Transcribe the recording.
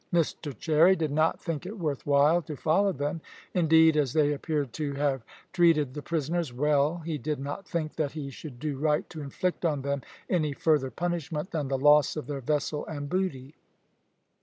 Mr Cherry did not think it worth while to follow them; indeed, as they appeared to have treated the prisoners well he did not think that he should do right to inflict on them any further punishment than the loss of their vessel and booty.